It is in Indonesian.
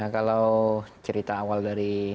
kalau cerita awal dari